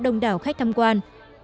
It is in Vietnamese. đồng đảo khách thăm quan